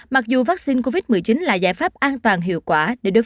mặc dù vaccine covid một mươi chín là giải pháp an toàn hiệu quả